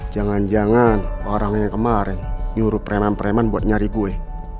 jangan jangan orangnya kemarin nyuruh preman preman buat nyari gue